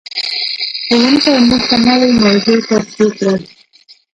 ښوونکی موږ ته نوې موضوع تشریح کړه.